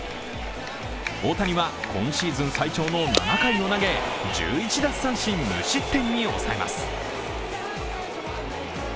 大谷は今シーズン最長の７回を投げ、１１奪三振無失点に抑えます。